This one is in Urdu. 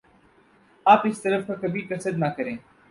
آپ اس طرف کا کبھی قصد نہ کریں